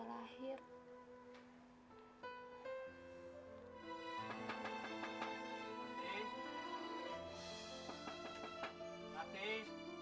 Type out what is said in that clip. kalau lama ini saya erah gini